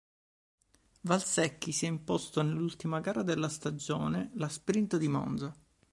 Valsecchi si è imposto nell'ultima gara della stagione, la "sprint" di Monza.